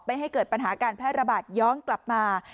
ให้เกิดปัญหาการแพร่ระบาดย้อนกลับมา